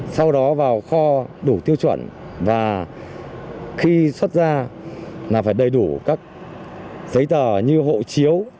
sau đó vào kho đủ tiêu chuẩn và khi xuất ra là phải đầy đủ các giấy tờ như hộ chiếu